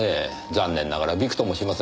残念ながらびくともしません。